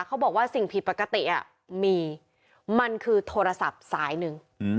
เขาบอกว่าสิ่งผิดปกติมีมันคือโทรศัพท์สายหนึ่ง